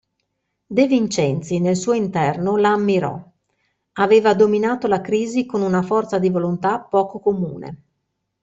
De Vincenzi nel suo interno la ammirò: aveva dominato la crisi con una forza di volontà poco comune.